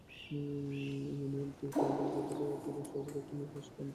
ইউনিয়নটি কয়রা উপজেলার সর্ব দক্ষিণে এবং শেষ প্রান্তে অবস্থিত।